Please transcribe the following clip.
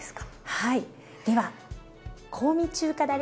はい。